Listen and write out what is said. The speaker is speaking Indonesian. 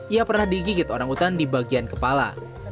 ia pernah digigit orang utan di bagian kepala